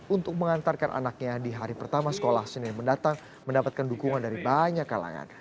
untuk mengantarkan anaknya di hari pertama sekolah senin mendatang mendapatkan dukungan dari banyak kalangan